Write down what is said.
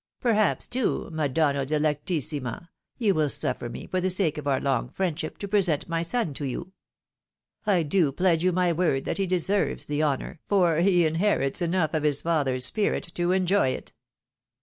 Perhaps, too. Madonna delectissima! you will suffer me, for the sake of our long friendship, to present my son to you? I do pledge you my word that he deserves the honour, for he in\erits enough of his father's spirit to enjoy it."